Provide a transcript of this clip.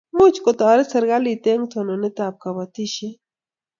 Much ko taret serikalit eng' tononet ab kabatishet